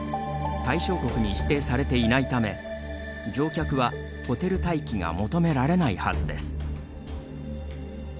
対象国に指定されていないため乗客はホテル待機が求められないはずです。